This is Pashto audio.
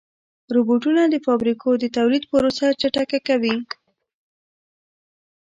روبوټونه د فابریکو د تولید پروسه چټکه کوي.